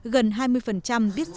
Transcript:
gần hai mươi biết rõ